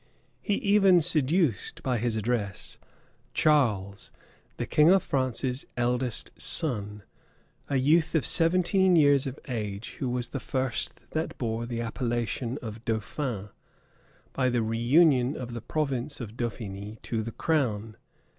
He even seduced, by his address, Charles, the king of France's eldest son, a youth of seventeen years of age, who was the first that bore the appellation of "dauphin," by the reunion of the province of Dauphiny to the crown.